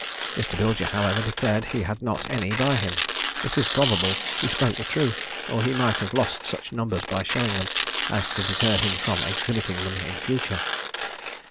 Mr. Bilger, however, declared he had not any by him. It is probable he spoke the truth: or he might have lost such numbers by showing them, as to deter him from exhibiting them in future.